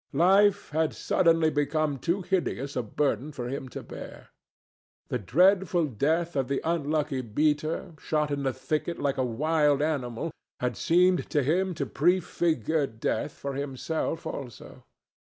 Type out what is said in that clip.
Life had suddenly become too hideous a burden for him to bear. The dreadful death of the unlucky beater, shot in the thicket like a wild animal, had seemed to him to pre figure death for himself also.